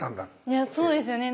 いやそうですよね。